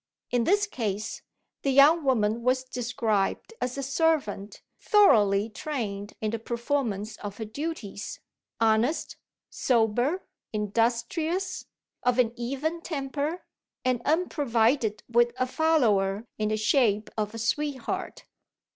In this case, the young woman was described as a servant thoroughly trained in the performance of her duties, honest, sober, industrious, of an even temper, and unprovided with a "follower" in the shape of a sweetheart.